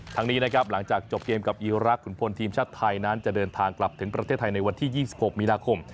นี้นะครับหลังจากจบเกมกับอีรักษ์ขุนพลทีมชาติไทยนั้นจะเดินทางกลับถึงประเทศไทยในวันที่๒๖มีนาคม